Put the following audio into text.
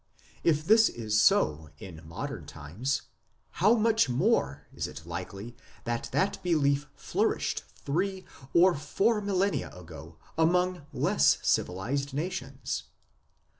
If this is so in modern times, how much more is it likely that that belief flourished three or four millennia go among less civilized nations